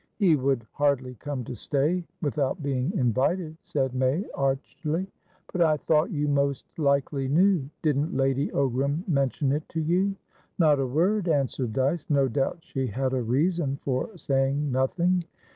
"He would hardly come to stay without being invited," said May, archly. "But I thought you most likely knew. Didn't Lady Ogram mention it to you?" "Not a word," answered Dyce. "No doubt she had a reason for saying nothing.